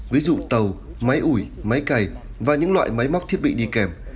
ví dụ tàu máy ủi máy cày và những loại máy móc thiết bị đi kèm